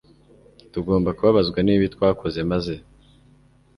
Tugomba kubabazwa n ibibi twakoze maze